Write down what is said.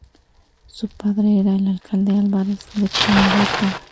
Su padre era el alcalde Álvarez de Condarco.